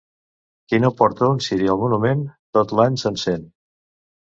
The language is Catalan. Qui no porta un ciri al monument, tot l'any se'n sent.